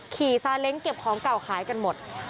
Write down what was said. ซาเล้งเก็บของเก่าขายกันหมด